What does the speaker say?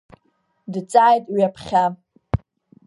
Дҵааит ҩаԥхьа.